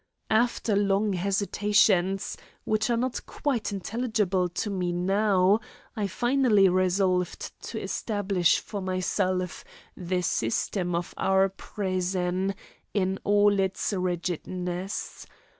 After long hesitations, which are not quite intelligible to me now, I finally resolved to establish for myself the system of our prison in all its rigidness.